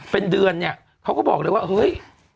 เป็นเดือนเนี่ยเขาก็บอกเลยว่าเฮ้ย